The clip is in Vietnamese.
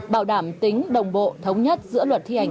bảo đảm tính đồng bộ thống nhất giữa luật thi hành